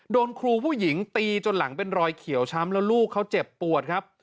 โดนครูผู้หญิงตีจนหลังเป็นรอยเขียวช้ำแล้วลูกเขาเจ็บปวดครับ